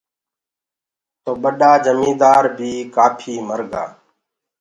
تو ٻڏآ جميٚندآر بي ڪآڦي مرگا۔